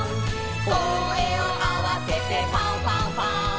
「こえをあわせてファンファンファン！」